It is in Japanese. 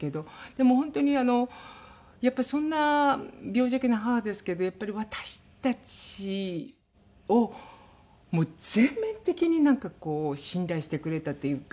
でも本当にあのそんな病弱な母ですけどやっぱり私たちをもう全面的になんかこう信頼してくれたというか。